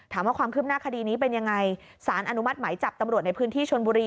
ถามว่าความคืบหน้าคดีนี้เป็นยังไงสารอนุมัติหมายจับตำรวจในพื้นที่ชนบุรี